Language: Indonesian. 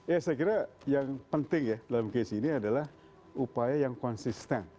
ya saya kira yang penting ya dalam case ini adalah upaya yang konsisten